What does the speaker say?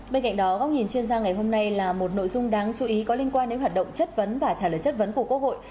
bên cạnh đó góc nhìn chuyên gia ngày hôm nay là một nội dung đáng chú ý có liên quan đến hoạt động chất vấn và trả lời chất vấn của quốc hội